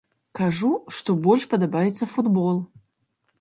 Кажу, што больш падабаецца футбол.